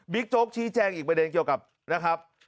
โจ๊กชี้แจงอีกประเด็นเกี่ยวกับนะครับ